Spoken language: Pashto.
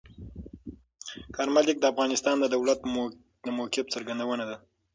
کارمل لیک د افغانستان د دولت د موقف څرګندونه ده.